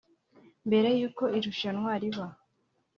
Mbere y’uko irushanwa riba